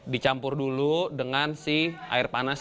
dicampur dulu dengan si air panas